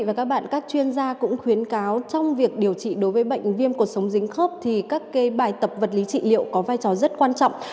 các bệnh viện cũng khuyến cáo trong việc điều trị đối với bệnh viêm của sống dính khớp thì các bài tập vật lý trị liệu có vai trò rất quan trọng